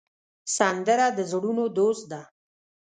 سندره د زړونو دوست ده